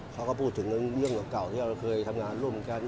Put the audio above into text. เขาก็พูดถึงเรื่องเก่าที่เราเคยทำงานร่วมกัน